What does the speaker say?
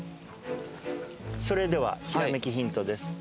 それではひらめきヒントです。